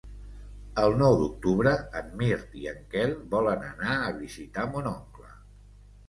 El nou d'octubre en Mirt i en Quel volen anar a visitar mon oncle.